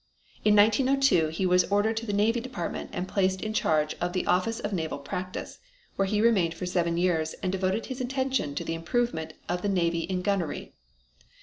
In 1902 he was ordered to the Navy Department and placed in charge of the Office of Naval Practice, where he remained for seven years and devoted his attention to the improvement of the Navy in gunnery.